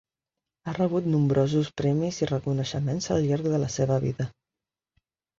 Ha rebut nombrosos premis i reconeixements al llarg de la seva vida.